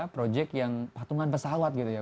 project yang patungan pesawat ya